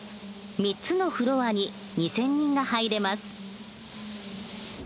３つのフロアに２，０００人が入れます。